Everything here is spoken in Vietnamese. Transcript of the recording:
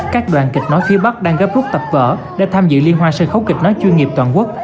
các đoàn kịch nói phía bắc đang gấp rút tập vở để tham dự liên hoan sân khấu kịch nói chuyên nghiệp toàn quốc